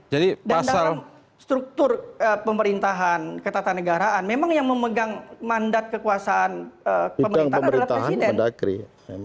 dan dalam struktur pemerintahan ketatanegaraan memang yang memegang mandat kekuasaan pemerintahan adalah presiden